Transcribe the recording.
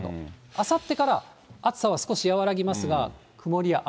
あさってから暑さは少し和らぎますが、曇りや雨。